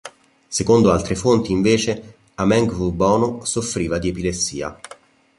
Secondo altre fonti, invece, Hamengkubuwono soffriva di epilessia.